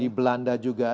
di belanda juga